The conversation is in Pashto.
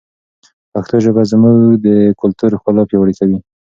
پښتو ژبه زموږ د کلتور ښکلا پیاوړې کوي.